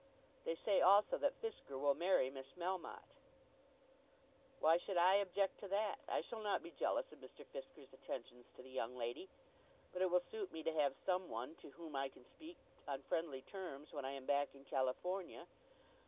"They say also that Fisker will marry Miss Melmotte." "Why should I object to that? I shall not be jealous of Mr. Fisker's attentions to the young lady. But it will suit me to have some one to whom I can speak on friendly terms when I am back in California.